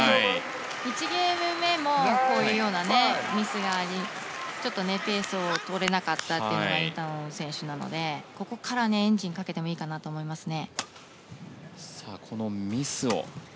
１ゲーム目もこういうミスがありちょっとペースをとれなかったのがインタノン選手なのでここからエンジンをかけてもいいかなと思いますね。